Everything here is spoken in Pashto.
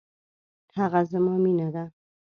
هغه زما مینه ده